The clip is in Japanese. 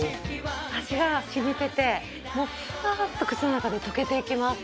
味がしみててもうふわっと口の中で溶けていきます。